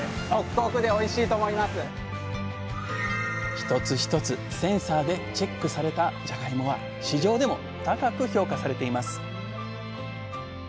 一つ一つセンサーでチェックされたじゃがいもは市場でも高く評価されています